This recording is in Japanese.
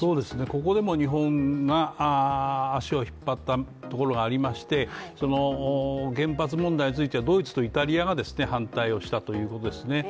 ここでも日本が足を引っ張ったところがありまして原発問題についてはドイツとイタリアが反対をしたということですね。